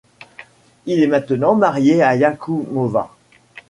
Il est maintenant marié à Yakubova.